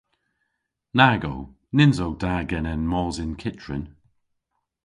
Nag o. Nyns o da genen mos yn kyttrin.